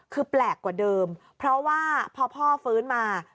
คือแปลกกว่าเดิมเพราะว่าพอพ่อฟื้นมา